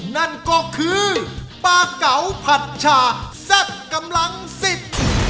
นั่นก็คือปลาเก๋าผัดชาแซ่บกำลังสิบ